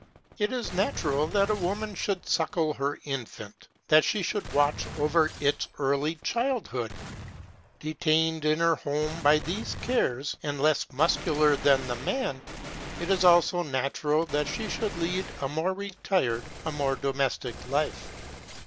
It is natural that a woman should suckle her infant; that she should watch over its early childhood. Detained in her home by these cares, and less muscular than the man, it is also natural that she should lead a more retired, a more domestic life.